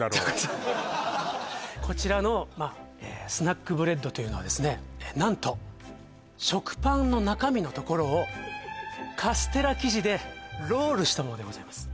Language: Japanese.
こちらのスナックブレッドというのはですね何と食パンの中身のところをカステラ生地でロールしたものでございます